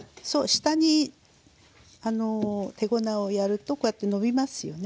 下に手粉をやるとこうやってのびますよね。